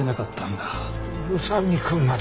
宇佐見くんまで。